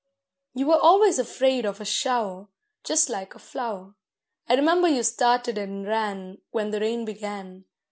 You were always afraid of a shower, Just like a flower: I remember you started and ran When the rain began.